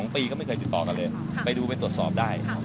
๒ปีก็ไม่เคยติดต่อกันเลยไปดูไปตรวจสอบได้